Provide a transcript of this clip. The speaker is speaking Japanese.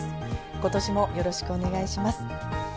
今年もよろしくお願いします。